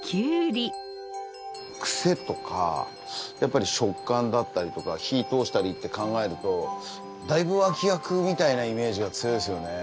くせとかやっぱり食感だったりとか火を通したりって考えるとだいぶ脇役みたいなイメージが強いですよね。